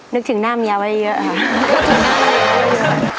นึกถึงหน้าเมียไว้เยอะค่ะ